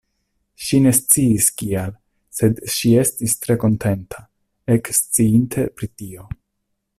Ŝi ne sciis kial, sed ŝi estis tre kontenta, eksciinte pri tio.